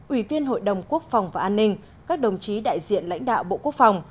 ủy viên hội đồng quốc phòng và an ninh các đồng chí đại diện lãnh đạo bộ quốc phòng